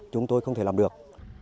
chúng tôi không thể làm được